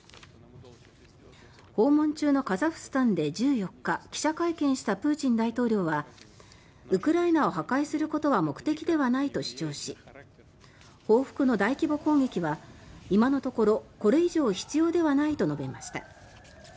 訪問中のカザフスタンで１４日記者会見したプーチン大統領はウクライナを破壊することは目的ではないと主張し報復の大規模攻撃は今のところこれ以上必要ではないと述べました。